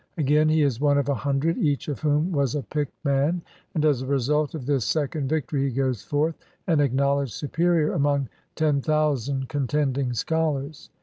Again, he is one of a hundred, each of whom was a picked man; and as a result of this second victory he goes forth an acknowledged superior among ten thousand con tending scholars.